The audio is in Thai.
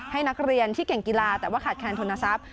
ให้นักเรียนที่เก่งกีฬาแต่ว่าขาดแคนทุนทรัพย